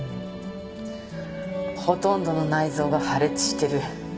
ほとんどの内臓が破裂してる。